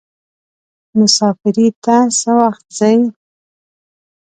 مسافری ته څه وخت ځئ.